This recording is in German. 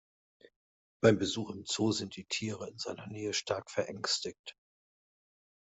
Beim Besuch im Zoo sind die Tiere in seiner Nähe stark verängstigt.